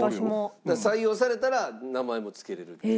採用されたら名前もつけられるという。